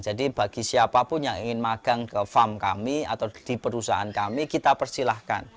jadi bagi siapapun yang ingin magang ke farm kami atau di perusahaan kami kita persilahkan